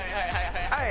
はい！